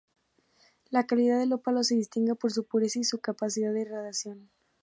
La calidad del ópalo se distingue por su pureza y capacidad de irradiación.